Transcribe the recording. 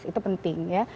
itu penting ya